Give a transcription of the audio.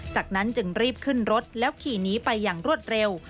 จากนั้นจึงรีบขึ้นรถแล้วขี่หนีไปอย่างรวดเร็ว